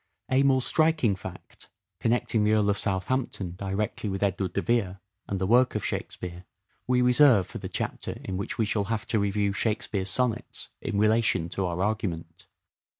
A more striking fact connecting the Earl of Southampton directly with Edward de Vere and the work of " Shakespeare," we reserve for the chapter in which we shall have to review Shakespeare's Sonnets in relation to our argument.